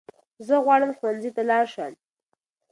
زه غواړم ښونځي ته لاړشم